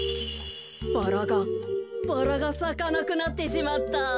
バラがバラがさかなくなってしまった。